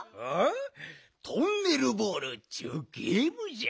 トンネルボールっちゅうゲームじゃ。